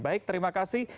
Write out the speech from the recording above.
baik terima kasih